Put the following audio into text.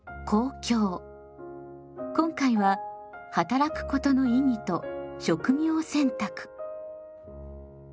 今回は「働くことの意義と職業選択」。